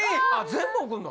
全部送るの？